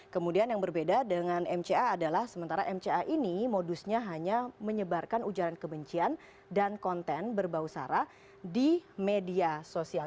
kemudian yang berbeda dengan mca adalah sementara mca ini modusnya hanya menyebarkan ujaran kebencian dan konten berbau sara di media sosial